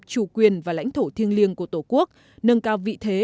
chủ quyền và lãnh thổ thiêng liêng của tổ quốc nâng cao vị thế